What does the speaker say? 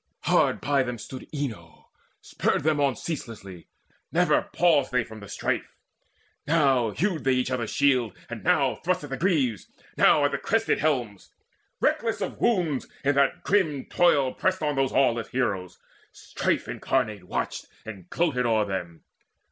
Hard by them stood Enyo, spurred them on Ceaselessly: never paused they from the strife. Now hewed they each the other's shield, and now Thrust at the greaves, now at the crested helms. Reckless of wounds, in that grim toil pressed on Those aweless heroes: Strife incarnate watched And gloated o'er them.